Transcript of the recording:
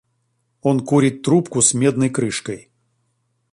Он курит трубку с медной крышкой.